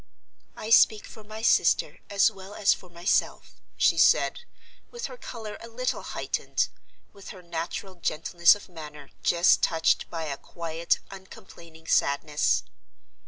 "I speak for my sister, as well as for myself," she said, with her color a little heightened, with her natural gentleness of manner just touched by a quiet, uncomplaining sadness.